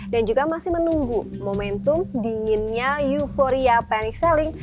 dan juga masih menunggu momentum dinginnya euforia panic selling